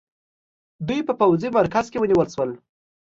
دوی په پوځي مرکز کې ونیول شول.